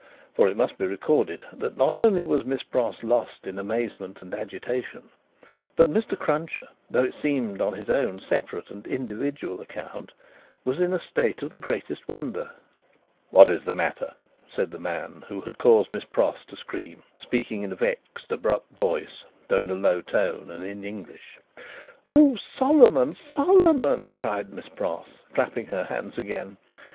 For, it must be recorded, that not only was Miss Pross lost in amazement and agitation, but, Mr. Cruncher though it seemed on his own separate and individual account was in a state of the greatest wonder. "What is the matter?" said the man who had caused Miss Pross to scream; speaking in a vexed, abrupt voice (though in a low tone), and in English. "Oh, Solomon, dear Solomon!" cried Miss Pross, clapping her hands again.